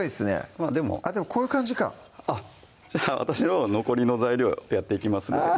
まぁでもでもこういう感じか私のほうは残りの材料やっていきますのであぁ